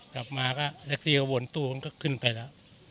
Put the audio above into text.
กลับมาก็แท็กซี่ก็วนตู้มันก็ขึ้นไปแล้ว